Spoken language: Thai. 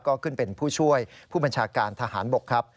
ก็ขึ้นเป็นผู้ช่วยผู้บัญชาการทหารบกครับ